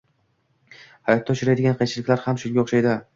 Hayotda uchraydigan qiyinchiliklar ham shunga oʻxshaydi